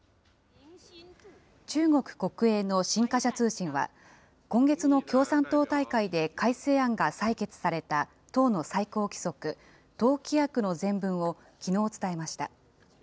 中国国営の新華社通信は、今月の共産党大会で改正案が採決された党の最高規則、党規約の全文をきのう、伝えました。